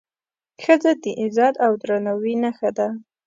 ښځه د عزت او درناوي نښه ده.